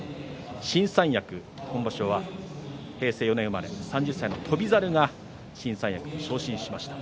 新三役、今場所は平成４年生まれ３０歳の翔猿が新三役に昇進しました。